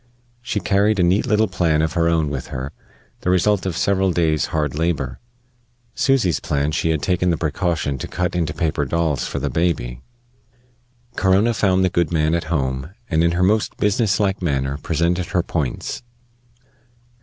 She carried a neat little plan of her own with her, the result of several days' hard labor. Susy's plan she had taken the precaution to cut into paper dolls for the baby. Corona found the good man at home, and in her most business like manner presented her points.